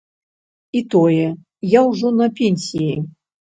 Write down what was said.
І тое, я ўжо на пенсіі.